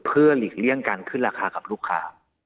เพื่อหลีกเลี่ยงการขึ้นราคากับลูกค้า